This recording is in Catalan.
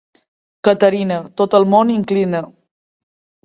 Caterina, tot el món inclina.